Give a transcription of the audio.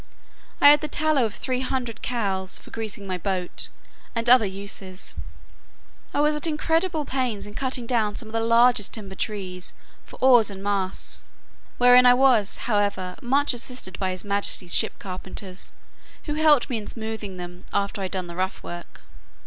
I had the tallow of three hundred cows, for greasing my boat, and other uses. I was at incredible pains in cutting down some of the largest timber trees, for oars and masts, wherein I was, however, much assisted by his majesty's ship carpenters, who helped me in smoothing them, after I had done the rough work.